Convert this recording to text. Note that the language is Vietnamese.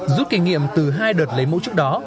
rút kinh nghiệm từ hai đợt lấy mẫu trước đó